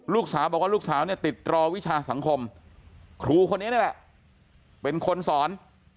ลูกสาวบอกว่าลูกสาวเนี่ยติดรอวิชาสังคมครูคนนี้นี่แหละเป็นคนสอน